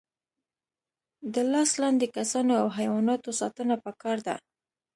د لاس لاندې کسانو او حیواناتو ساتنه پکار ده.